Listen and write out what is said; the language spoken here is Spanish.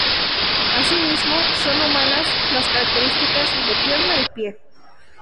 Asimismo son humanas las características de pierna y pie.